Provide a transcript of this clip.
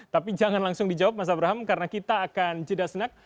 tapi jangan langsung dijawab mas abraham karena kita akan jeda senak